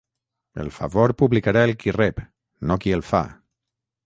El favor publicarà el qui el rep, no qui el fa.